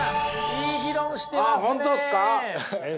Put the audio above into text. いい議論してますね。